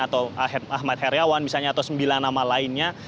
atau ahmad heriawan misalnya atau sembilan nama lainnya